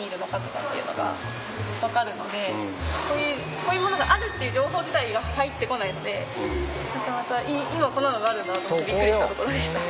こういうものがあるっていう情報自体が入ってこないので今こんなのがあるんだなと思ってびっくりしたところでした。